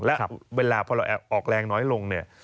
และเวลาพอเราออกแรงน้อยลงเนี่ย